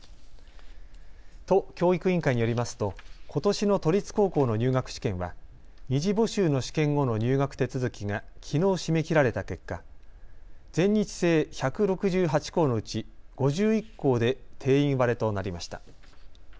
都教育委員会によりますとことしの都立高校の入学試験は２次募集の試験後の入学手続きがきのう締め切られた結果、全日制１６８校のうち５１校で定員割れとなりました。